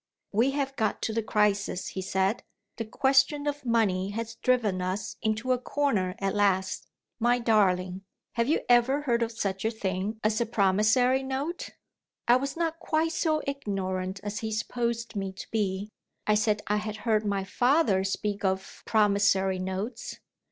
"We have got to the crisis," he said. "The question of money has driven us into a corner at last. My darling, have you ever heard of such a thing as a promissory note?" I was not quite so ignorant as he supposed me to be; I said I had heard my father speak of promissory notes.